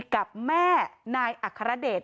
กับแม่นายอัครเดช